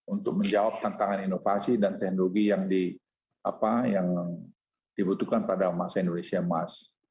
untuk menjawab tantangan inovasi dan teknologi yang dibutuhkan pada masa indonesia emas